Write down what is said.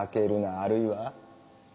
あるいは。